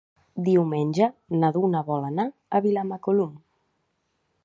Diumenge na Duna vol anar a Vilamacolum.